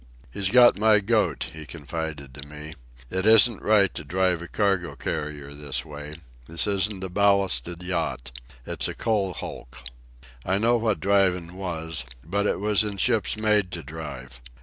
"He's got my goat," he confided to me. "It isn't right to drive a cargo carrier this way. This isn't a ballasted yacht. It's a coal hulk. I know what driving was, but it was in ships made to drive.